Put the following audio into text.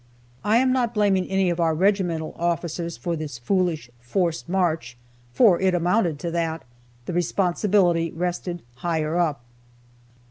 I am not blaming any of our regimental officers for this foolish "forced march," for it amounted to that, the responsibility rested higher up.